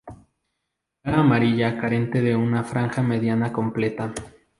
Cara amarilla carente de una franja mediana completa.